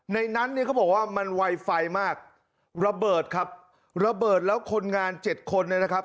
นั้นเนี่ยเขาบอกว่ามันไวไฟมากระเบิดครับระเบิดแล้วคนงานเจ็ดคนเนี่ยนะครับ